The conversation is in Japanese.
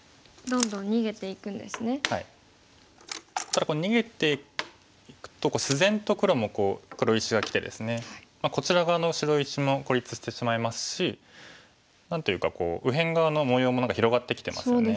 ただ逃げていくと自然と黒もこう黒石がきてですねこちら側の白石も孤立してしまいますし何というか右辺側の模様も広がってきてますよね。